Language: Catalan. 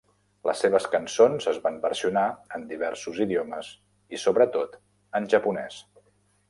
Les seves cançons es van versionar en diversos idiomes i sobretot en japonès.